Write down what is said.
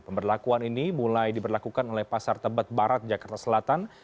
pemberlakuan ini mulai diberlakukan oleh pasar tebet barat jakarta selatan